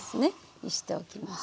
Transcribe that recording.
にしておきます。